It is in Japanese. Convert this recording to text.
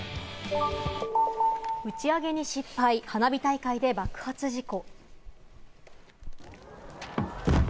打ち上げに失敗、花火大会で爆発事故。